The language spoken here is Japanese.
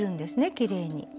きれいに。